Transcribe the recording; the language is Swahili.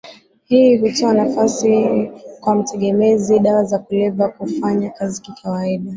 Hii hutoa nafasi kwa mtegemezi dawa za kulevya kufanya kazi kikawaida